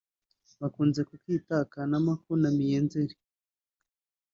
bakunze kukwita Kanama kanamiye Nzeri